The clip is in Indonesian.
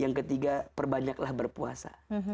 yang ketiga perbanyaklah berpuasa